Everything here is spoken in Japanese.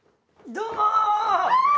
どうも！